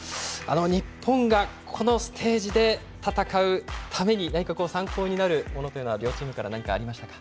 日本がこのステージで戦うために、何か参考になるものというのは両チームから何かありましたか？